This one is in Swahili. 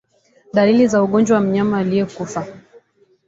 Dalili za ugonjwa kwa mnyama aliyekufa